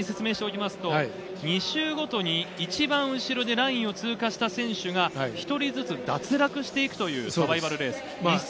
２周ごとに一番後ろでラインを通過した選手が１人ずつ脱落していくというサバイバルレースです。